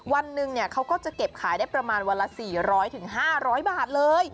วันหนึ่งเขาก็จะเก็บขายได้ประมาณวันละ๔๐๐๕๐๐บาทเลย